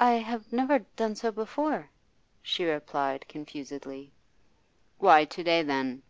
'I have never done so before,' she replied confusedly. 'Why to day, then?